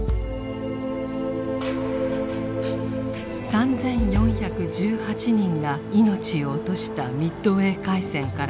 ３４１８人が命を落としたミッドウェー海戦から８１年。